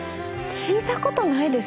聞いたことないですよ